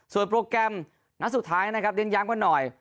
ส่วนโปรแกรมณสุดท้ายนะครับเรียกย้ำกว่าหน่อย